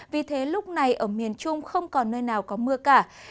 vì thế lúc này ở miền trung không còn nơi nào có mưa cả